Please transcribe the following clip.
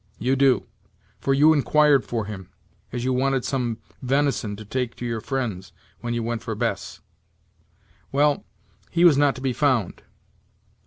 You do; for you inquired for him, as you wanted some venison to take to your friends, when you went for Bess. Well, he was not to be found.